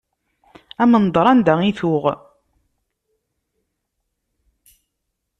Amendeṛ anda i tuɣ.